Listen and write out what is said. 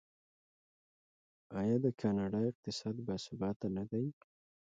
آیا د کاناډا اقتصاد باثباته نه دی؟